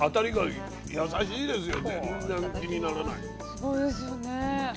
すごいですよね。